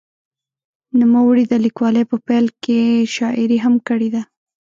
نوموړي د لیکوالۍ په پیل کې شاعري هم کړې ده.